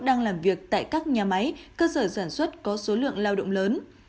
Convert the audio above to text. đang làm việc tại các nhà máy cơ sở sản xuất có số lượng lao động lớn